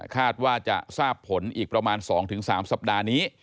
คาดว่าจะทราบผลอีกประมาณ๒๓สัปดาห์นี้